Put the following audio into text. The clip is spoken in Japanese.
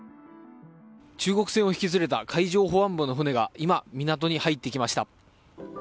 中国船を引き連れた海上保安部の船が今、港に入ってきました。